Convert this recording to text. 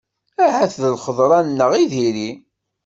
Ahat d lxeḍra-nneɣ i diri.